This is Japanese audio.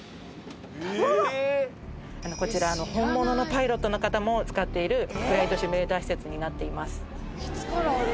こちら本物のパイロットの方も使っているフライトシミュレーター施設になっています。